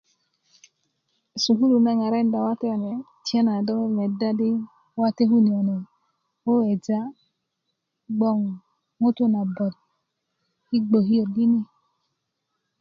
sukulu na ŋarakinda wate kune tiyana do medda di wate kune' kune weweja' gboŋ ŋutu nabot yi gbokiyot yini